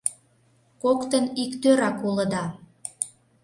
Коктын иктӧрак улыда.